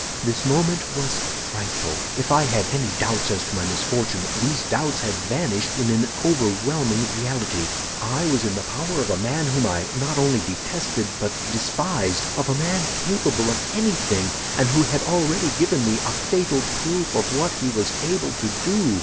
"This moment was frightful; if I had any doubts as to my misfortune, these doubts had vanished in an overwhelming reality. I was in the power of a man whom I not only detested, but despised—of a man capable of anything, and who had already given me a fatal proof of what he was able to do."